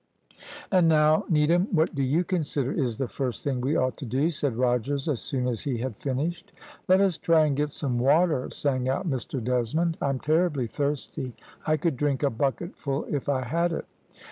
"`And now, Needham, what do you consider is the first thing we ought to do?' said Mr Rogers, as soon as he had finished. "`Let us try and get some water,' sang out Mr Desmond. `I'm terribly thirsty, I could drink a bucketful if I had it.